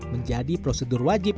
menjadi prosedur wajib